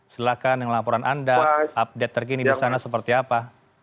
silahkan dengan laporan anda update terkini di sana seperti apa